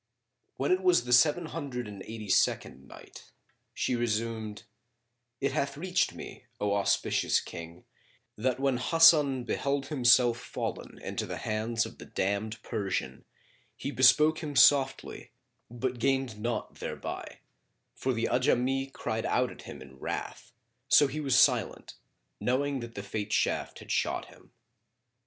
When it was the Seven Hundred and Eighty second Night, She resumed, It hath reached me, O auspicious King, that when Hasan beheld himself fallen into the hands of the damned Persian he bespoke him softly but gained naught thereby for the Ajami cried out at him in wrath, so he was silent, knowing that the Fate shaft had shot him.